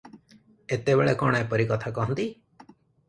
ଏତେବେଳେ କଣ ଏପରି କଥା କହନ୍ତି?